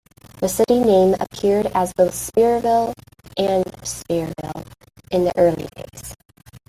The city name appeared as both Spearville and Speareville in the early days.